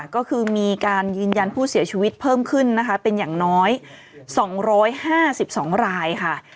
ก็คือมีการยืนยันผู้เสียชีวิตเพิ่มขึ้นนะคะเป็นอย่างน้อย๒๕๒รายค่ะ